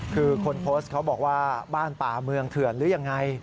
คือคนโพสต์เขาบอกว่าบ้านป่าเมืองเถื่อนหรือยังไง